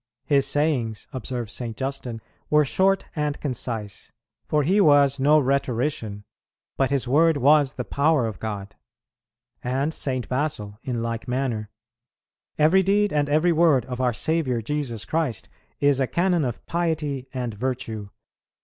'His sayings,' observes St. Justin, 'were short and concise; for He was no rhetorician, but His word was the power of God.' And St. Basil, in like manner, 'Every deed and every word of our Saviour Jesus Christ is a canon of piety and virtue.